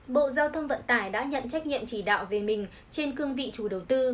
bộ giao thông vận tải đã nhận trách nhiệm chỉ đạo về mình trên cương vị chủ đầu tư